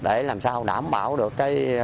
để làm sao đảm bảo được